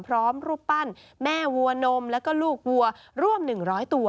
พร้อมรูปปั้นแม่วัวนมและลูกวัวร่วม๑๐๐ตัว